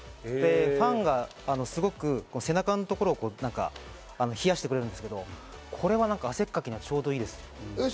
ファンが背中の所を冷やしてくれるんですけど、汗っかきにはちょうどいいです。